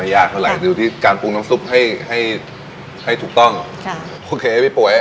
ยากเท่าไหร่ดูที่การปรุงน้ำซุปให้ให้ถูกต้องค่ะโอเคพี่ปุ๋ย